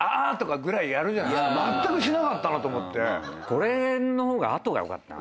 これの方が後がよかったな。